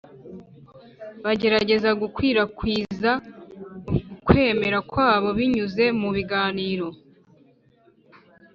bagerageza gukwirakwiza ukwemera kwabo binyuze mu biganiro